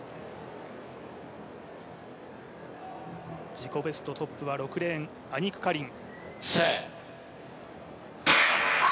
自己ベストトップは６レーン、アニク・カリン。